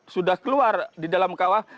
sudah keluar di dalam kawah